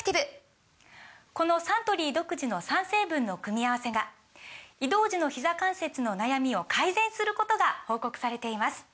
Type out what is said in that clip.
このサントリー独自の３成分の組み合わせが移動時のひざ関節の悩みを改善することが報告されています